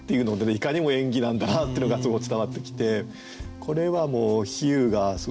いかにも演技なんだなってのがすごく伝わってきてこれはもう比喩がすごく面白くて。